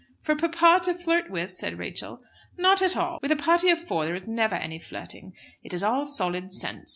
"For papa to flirt with?" said Rachel. "Not at all. With a party of four there is never any flirting. It is all solid sense.